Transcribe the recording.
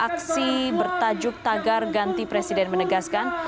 aksi bertajuk tagar ganti presiden menegaskan